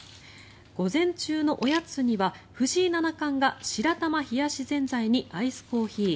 午前中のおやつには、藤井七冠が白玉冷やしぜんざいにアイスコーヒー。